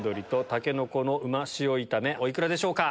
お幾らでしょうか？